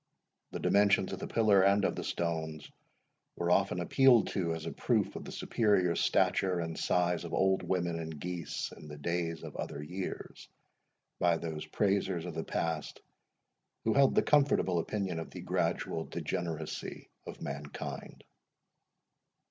The dimensions of the pillar, and of the stones, were often appealed to, as a proof of the superior stature and size of old women and geese in the days of other years, by those praisers of the past who held the comfortable opinion of the gradual degeneracy of mankind.